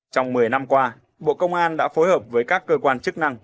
trong một mươi năm qua bộ công an đã phối hợp với các cơ quan chức năng